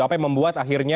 apa yang membuat akhirnya